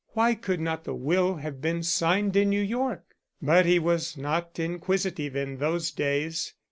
Why could not the will have been signed in New York? But he was not inquisitive in those days.